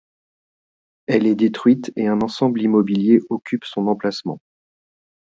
Elle est détruite et un ensemble immobilier occupe son emplacement.